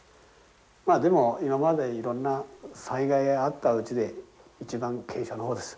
まあでも今までいろんな災害があったうちで一番軽傷の方です。